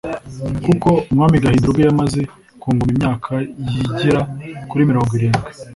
kuko Umwami Gahindiro ubwe yamaze ku ngoma imyaka yigera kuri mirongo irindwi.